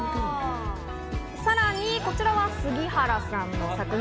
さらにこちらは杉原さん。